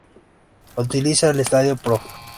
Utiliza el Estádio Prof.